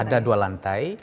ada dua lantai